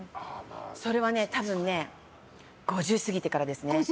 それは多分ね５０過ぎてからですね。